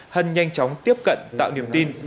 hân nhanh chóng tiếp cận tạo niềm tin